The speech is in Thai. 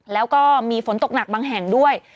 แล้วก็มีฝนตกหนักบางแห่งด้วย